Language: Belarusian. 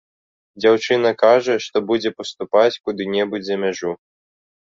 Дзяўчына кажа, што будзе паступаць куды-небудзь за мяжу.